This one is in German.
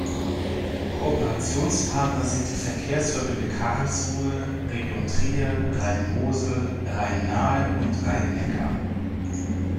Kooperationspartner sind die Verkehrsverbünde Karlsruhe, Region Trier, Rhein-Mosel, Rhein-Nahe und Rhein-Neckar.